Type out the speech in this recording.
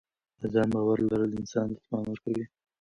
د ځان باور لرل انسان ته توان ورکوي.